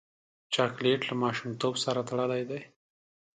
چاکلېټ له ماشومتوب سره تړلی دی.